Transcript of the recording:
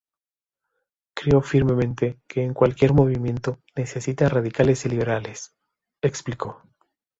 Creo firmemente que cualquier movimiento necesita radicales y liberales", explicó.